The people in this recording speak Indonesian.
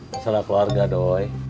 masalah keluarga doi